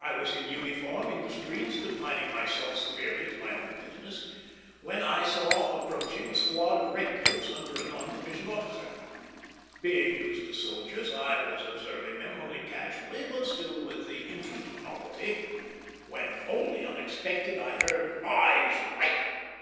I was in uniform in the streets, confining myself severely to my own business, when I saw approaching a squad of redcoats under a non commissioned officer. Being used to soldiers, I was observing them only casually, but still with the interest of novelty, when wholly unexpectedly I heard, "Eyes right!"